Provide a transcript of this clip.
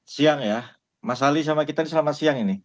siang ya mas ali sama kita ini selamat siang ini